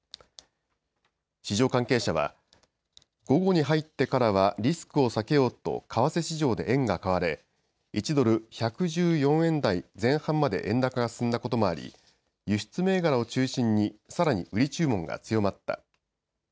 市場関係者は、午後に入ってからはリスクを避けようと為替市場で円が買われ１ドル１１４円台前半まで円高が進んだこともあり輸出銘柄を中心にさらに売り注文が強まった。